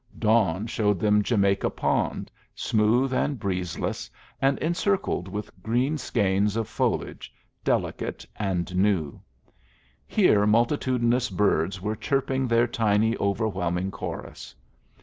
Dawn showed them Jamaica Pond, smooth and breezeless, and encircled with green skeins of foliage, delicate and new. Here multitudinous birds were chirping their tiny, overwhelming chorus.